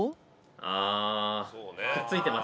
ああくっついてます